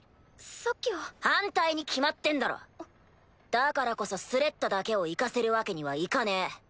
だからこそスレッタだけを行かせるわけにはいかねぇ。